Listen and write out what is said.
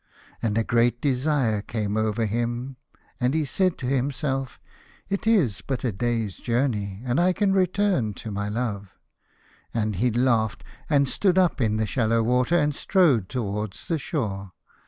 And a great desire came over him, and he said to himself, "It is but a day's journey, and I can return to my love," and he laughed, and stood up in the shallow water, and strode towards the shore.